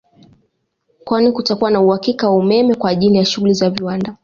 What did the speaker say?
Kwani kutakuwa na uhakika wa umeme kwa ajili ya shughuli za viwanda